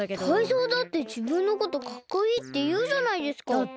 タイゾウだってじぶんのことかっこいいっていうじゃないですか。